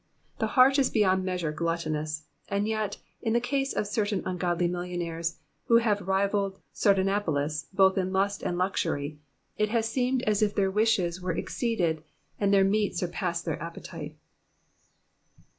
The heart is beyond measure gluttonous, and yet in the case of certain ungodly millionaires, who have rivalled Sardanapalus both in lust and luxury, it has seemed as if their wishes were exceeded, and their meat surpassed their appetite.